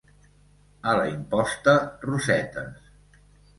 A la imposta rosetes.